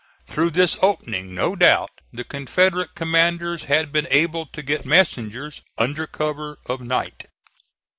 Through this opening no doubt the Confederate commanders had been able to get messengers under cover of night.